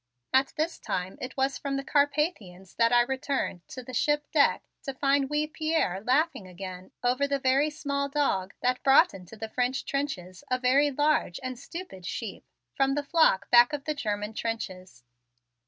And this time it was from the Carpathians that I returned to the ship deck to find wee Pierre laughing again over the very small dog that brought into the French trenches a very large and stupid sheep from the flock back of the German trenches.